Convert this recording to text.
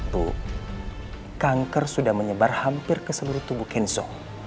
bu kanker sudah menyebar hampir ke seluruh tubuh kenzo